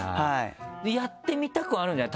やってみたくはあるんじゃない？